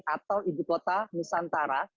atau ibu kota nusantara